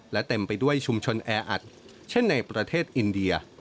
และเต็มไปด้วยชุมชนแออัดเช่นในประเทศอินเดีย